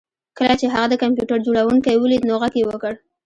کله چې هغه د کمپیوټر جوړونکی ولید نو غږ یې وکړ